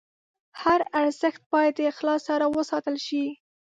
هر ارزښت باید د اخلاص سره وساتل شي.